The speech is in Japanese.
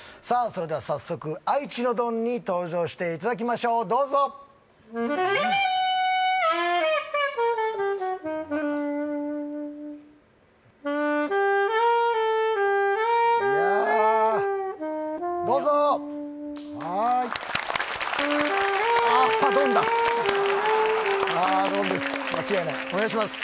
それでは早速愛知のドンに登場していただきましょうどうぞいやどうぞはーいお願いします